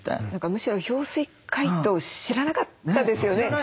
むしろ氷水解凍を知らなかったですよね。